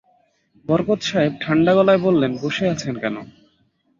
বরকত সাহেব ঠাণ্ডা গলায় বললেন, বসে আছেন কেন?